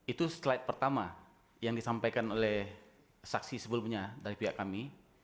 itu slide pertama yang disampaikan oleh saksi sebelumnya dari pihak kami